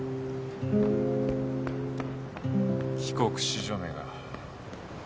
帰国子女めが。